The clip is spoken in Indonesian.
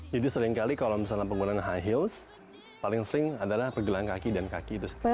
jadi sering kali kalau misalnya penggunaan high heels paling sering adalah pergelangan kaki dan kaki